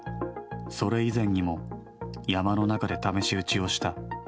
それ以前にも山の中で試し撃ちをした。